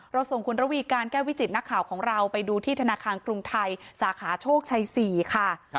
ส่งคุณระวีการแก้ววิจิตนักข่าวของเราไปดูที่ธนาคารกรุงไทยสาขาโชคชัย๔ค่ะ